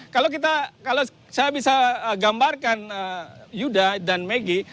kalau kita kalau saya bisa gambarkan yudha dan megi